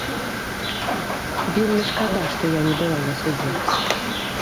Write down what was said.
Вельмі шкада, што я не была на судзе.